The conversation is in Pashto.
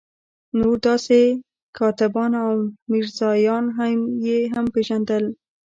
نور داسې کاتبان او میرزایان یې هم پېژندل.